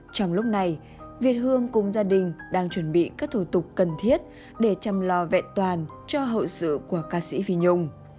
trong lúc này việt hương cùng gia đình đang chuẩn bị các thủ tục cần thiết để chăm lo vẹn toàn cho hậu sự của ca sĩ vi nhung